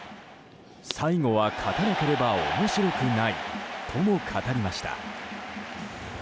最後は勝たなければ面白くないとも語りました。